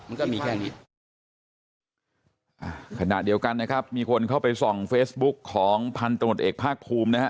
มันก็มีแค่นี้อ่าขณะเดียวกันนะครับมีคนเข้าไปส่องเฟซบุ๊กของพันธมตเอกภาคภูมินะฮะ